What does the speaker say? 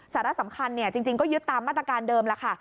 สาระสำคัญจริงก็ยึดตามมาตรการเดิมแล้วค่ะ